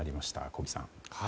小木さん。